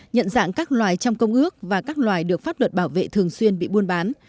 nhận dạng các loài trong công ước và các loài được pháp luật bảo vệ thường xuyên bị buôn bán